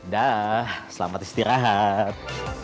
dah selamat istirahat